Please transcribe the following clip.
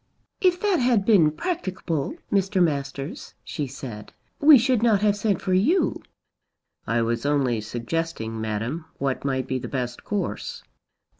"If that had been practicable, Mr. Masters," she said, "we should not have sent for you." "I was only suggesting, madame, what might be the best course."